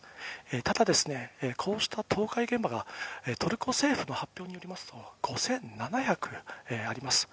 ただこうした倒壊現場がトルコ政府の発表によりますと５７００あります。